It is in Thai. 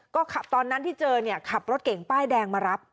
ก็คับตอนนั้นที่เจอคับรถเก่งป้ายแดงมารับ